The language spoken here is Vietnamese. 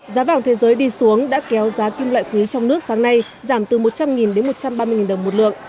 giá vàng thế giới đi xuống đã kéo giá kim loại quý trong nước sáng nay giảm từ một trăm linh đến một trăm ba mươi đồng một lượng